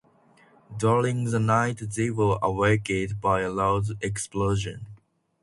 During the night they were awakened by a loud explosion.